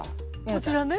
こちらね。